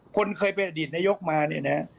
คนเคยเป็นอดีตนายกมาเนี่ยนะ